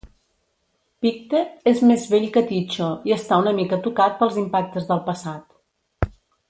Pictet és més vell que Tycho i està una mica tocat pels impactes del passat.